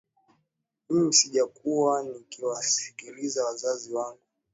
Mimi sijakuwa nikiwasikiliza wazazi wangu